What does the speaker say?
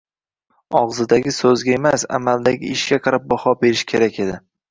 Og‘izdagi so‘zga emas, amaldagi ishga qarab baho berish kerak edi.